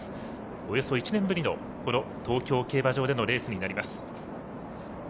およそ１年ぶりのこの東京競馬場でのレースになります。